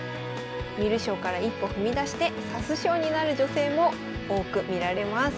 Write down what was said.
観る将から一歩踏み出して指す将になる女性も多く見られます。